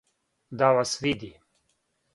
Да вас види.